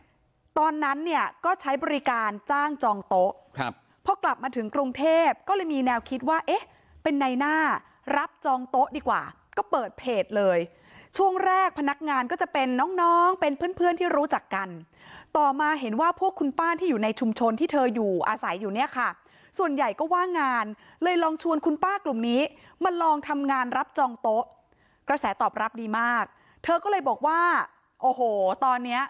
อ่าตอนนั้นเนี้ยก็ใช้บริการจ้างจองโต๊ะครับพอกลับมาถึงกรุงเทพก็เลยมีแนวคิดว่าเอ๊ะเป็นในหน้ารับจองโต๊ะดีกว่าก็เปิดเพจเลยช่วงแรกพนักงานก็จะเป็นน้องน้องเป็นเพื่อนเพื่อนที่รู้จักกันต่อมาเห็นว่าพวกคุณป้าที่อยู่ในชุมชนที่เธออยู่อาศัยอยู่เนี้ยค่ะส่วนใหญ่ก็ว่างานเลยลองชวนคุณป้ากลุ่มนี้